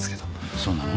そうなの？